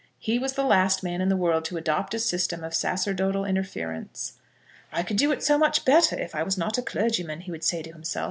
He was the last man in the world to adopt a system of sacerdotal interference. "I could do it so much better if I was not a clergyman," he would say to himself.